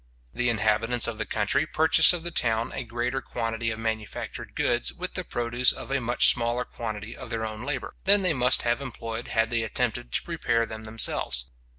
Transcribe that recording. The inhabitants of the country purchase of the town a greater quantity of manufactured goods with the produce of a much smaller quantity of their own labour, than they must have employed had they attempted to prepare them themselves.